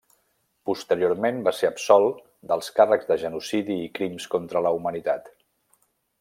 Posteriorment va ser absolt dels càrrecs de genocidi i crims contra la humanitat.